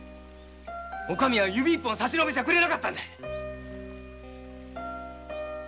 お上は指一本差しのべてくれなかった。